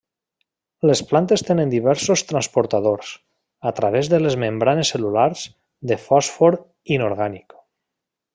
Les plantes tenen diversos transportadors, a través de les membranes cel·lulars, de fòsfor inorgànic.